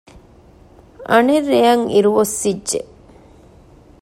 އަނެއް ރެއަށް އިރު އޮއްސިއް ޖެ